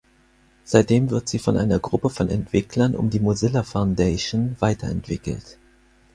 Seitdem wird sie von einer Gruppe von Entwicklern um die Mozilla Foundation weiterentwickelt.